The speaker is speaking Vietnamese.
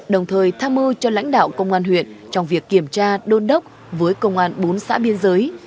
đồng thời tham mưu cho lãnh đạo công an huyện trong việc kiểm tra đôn đốc với công an bốn xã biên giới